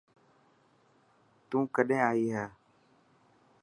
تون ڪڏهن ائي هي.